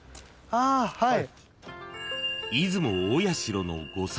はい。